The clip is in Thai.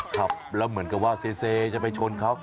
ขับแล้วเหมือนกับว่าเซจะไปชนเขา